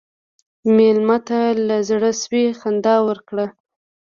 مېلمه ته له زړه سوي خندا ورکړه.